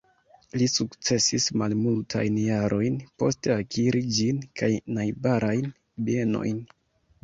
Li sukcesis malmultajn jarojn poste akiri ĝin kaj najbarajn bienojn.